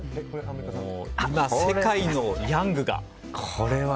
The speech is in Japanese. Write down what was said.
今、世界のヤングが。